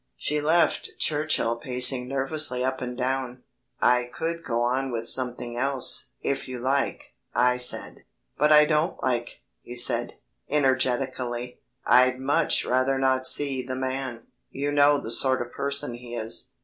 She left Churchill pacing nervously up and down. "I could go on with something else, if you like," I said. "But I don't like," he said, energetically; "I'd much rather not see the man. You know the sort of person he is."